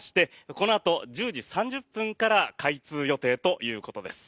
このあと１０時３０分から開通予定ということです。